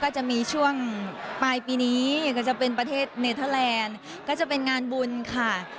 จะมีช่วงปลายปีนี้อย่างก็จะเป็นประเทศเนเทอร์แลนด์ก็จะเป็นงานบุญค่ะ